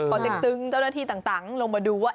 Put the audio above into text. พอเต็กตึงเจ้าหน้าที่ต่างลงมาดูว่า